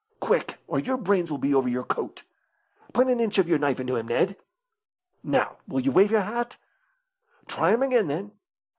Quick, or your brains will be over your coat. Put an inch of your knife into him, Ned. Now, will you wave your hat? Try him again, then.